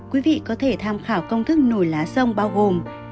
quý vị có thể tham khảo công thức nổi lá sông bao gồm